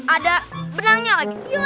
ada benangnya lagi